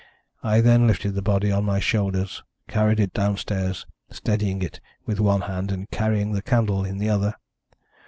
I then lifted the body on my shoulders, carried it downstairs, steadying it with one hand, and carrying the candle in the other.